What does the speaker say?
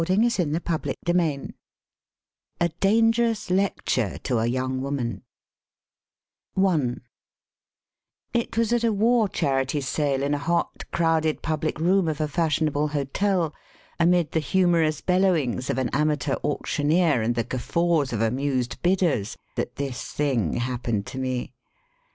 A DANGEROUS LECTURE TO A YOUNG WOMAN A DANGEROUS LECTURE TO A YOUNG WOMAN It was at a war charity sale, in a hot, crowded public room of a fashionable hotel, amid the hmnorous bellowings of an amateur auctioneer and the guffaws of amused bidders, that this thing happened to me.